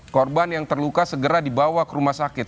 korban yang terluka segera dibawa ke rumah sakit